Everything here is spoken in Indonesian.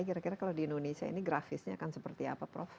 kira kira kalau di indonesia ini grafisnya kan seperti apa prof